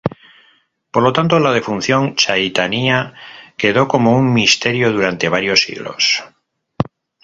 Por lo tanto la defunción de Chaitania quedó como un misterio durante varios siglos.